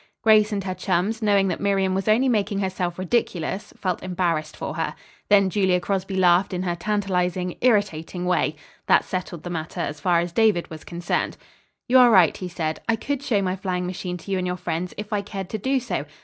Grace and her chums, knowing that Miriam was only making herself ridiculous, felt embarrassed for her. Then Julia Crosby laughed in her tantalizing irritating way. That settled the matter as far as David was concerned. "You are right," he said, "I could show my flying machine to you and your friends if I cared to do so.